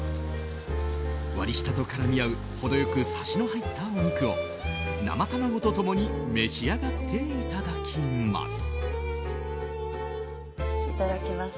割り下と絡み合う程良くサシの入ったお肉を生卵と共に召し上がっていただきます。